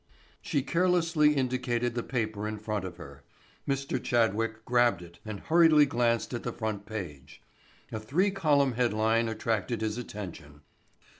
She carelessly indicated the paper in front of her. Mr. Chadwick grabbed it and hurriedly glanced at the front page. A three column headline attracted his attention.